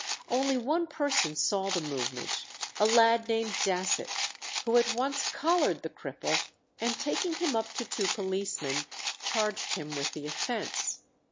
Only one person saw the movement, a lad named Dasset, who at once collared the cripple, and taking him up to two policemen, charged him with the offence.